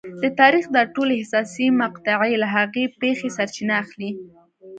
د تاریخ دا ټولې حساسې مقطعې له هغې پېښې سرچینه اخلي.